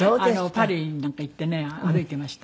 パリになんか行ってね歩いていました。